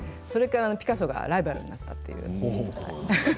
それからピカソがライバルになったっていう。